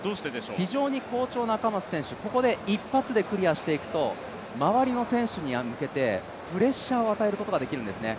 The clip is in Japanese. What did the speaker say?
非常に好調な赤松選手、ここで一発でクリアしていくと周りの選手に向けてプレッシャーを与えることができるんですね。